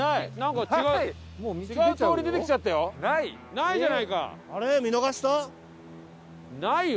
ないじゃないか。